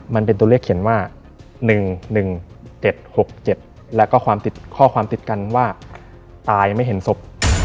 มันเป็นตัวเลขเขียนว่า๑๑๗๖๗แล้วก็ความติดข้อความติดกันว่าตายไม่เห็นศพ